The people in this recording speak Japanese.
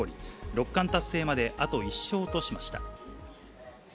六冠達成まであと１勝としました。